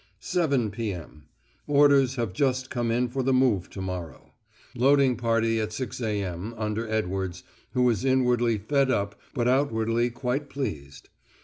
"7 p.m. Orders have just come in for the move to morrow. Loading party at 6.0 a.m. under Edwards, who is inwardly fed up but outwardly quite pleased.